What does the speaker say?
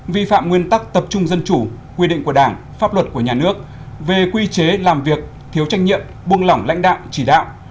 vi phạm nguyên tắc tập trung dân chủ quy định của đảng pháp luật của nhà nước về quy chế làm việc thiếu trách nhiệm buông lỏng lãnh đạo chỉ đạo